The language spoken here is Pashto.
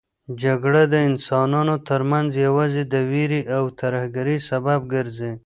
جګړه د انسانانو ترمنځ یوازې د وېرې او ترهګرۍ سبب ګرځي.